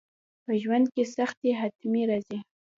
په ژوند کي سختي حتمي وي.